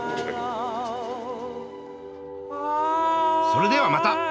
それではまた。